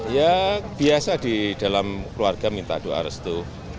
ya biasa di dalam keluarga minta doa restu